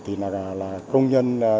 thì là công nhân